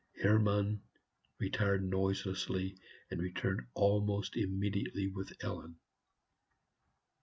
Hermann retired noiselessly, and returned almost immediately with Ellen.